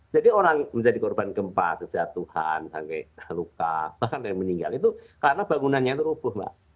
jadi orang menjadi korban gempa kerja tuhan luka bahkan yang meninggal itu karena bangunannya itu rubuh mbak